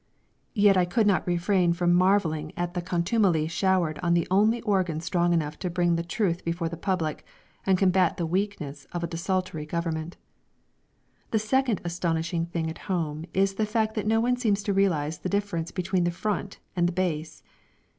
Yet I could not refrain from marvelling at the contumely showered on the only organ strong enough to bring the truth before the public and combat the weaknesses of a desultory Government. The second astounding thing at home is the fact that no one seems to realise the difference between the Front and the Base.